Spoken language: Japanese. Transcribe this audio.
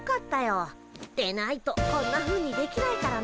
でないとこんなふうにできないからね。